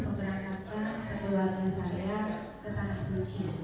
memberangkatkan sekeluarnya saya ke tanah suci